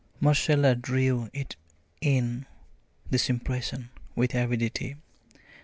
Marcella drew it in this impression with avidity.